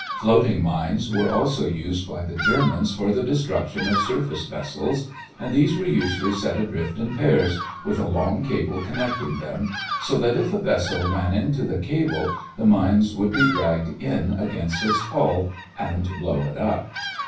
Floating mines were also used by the Germans for the destruction of surface vessels and these were usually set adrift in pairs, with a long cable connecting them, so that if a vessel ran into the cable the mines would be dragged in against its hull and blow it up.